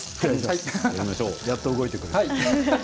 やっと動いてくれた。